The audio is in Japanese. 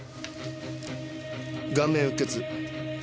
顔面うっ血。